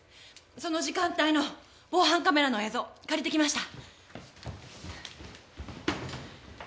その時間帯の防犯カメラの映像借りてきました。